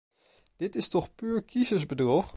Dit is toch puur kiezersbedrog.